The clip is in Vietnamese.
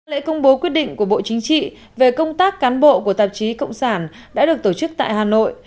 lễ công bố quyết định của bộ chính trị về công tác cán bộ của tạp chí cộng sản đã được tổ chức tại hà nội